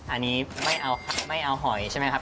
อันนี้ไม่เอาไม่เอาหอยใช่ไหมครับ